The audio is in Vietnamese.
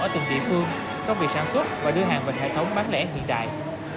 ở từng địa phương trong việc sản xuất và đưa hàng vào hệ thống bán lẻ hiện đại